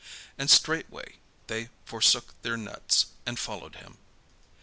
And straightway they forsook their nets, and followed him.